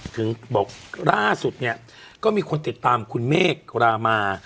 ถึงบอกล่าสุดเนี่ยก็มีคนติดตามคุณเมฆรามา